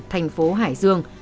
thành phố hải dương